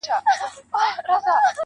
او بيا په هره پنجشنبه د يو ځوان ورا وينم,